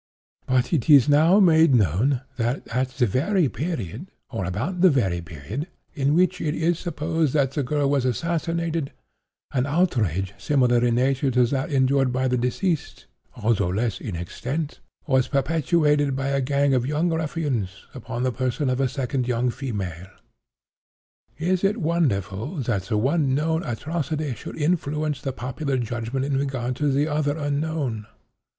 But it is now made known that, at the very period, or about the very period, in which it is supposed that the girl was assassinated, an outrage similar in nature to that endured by the deceased, although less in extent, was perpetuated, by a gang of young ruffians, upon the person of a second young female. Is it wonderful that the one known atrocity should influence the popular judgment in regard to the other unknown?